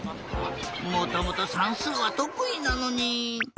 もともとさんすうはとくいなのに。